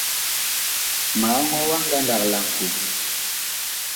Ma ɔŋɔɔ ngandag wa laŋkoo.